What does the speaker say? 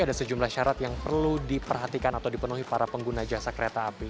ada sejumlah syarat yang perlu diperhatikan atau dipenuhi para pengguna jasa kereta api